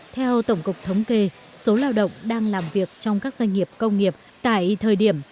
theo tổng cục thống kê số lao động đang làm việc trong các doanh nghiệp công nghiệp tại thời điểm